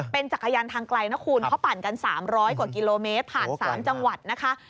เป็นจักรยานทางไกลนะคุณเขาปั่นกัน๓๐๐กว่ากิโลเมตรผ่าน๓จังหวัดนะคะ